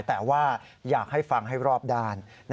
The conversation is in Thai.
แต่ว่าอยากให้ฟังให้รอบด้าน